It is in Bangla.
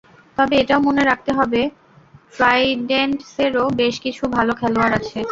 তবে এটাও মনে রাখতে হবে, ট্রাইডেন্টসেরও বেশ কিছু ভালো খেলোয়াড় আছে।